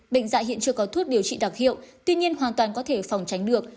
bệnh dại hiện chưa có thuốc điều trị đặc hiệu tuy nhiên hoàn toàn có thể phòng tránh được